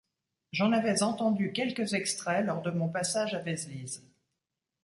J'en avais entendu quelques extraits lors de mon passage à Vezelise.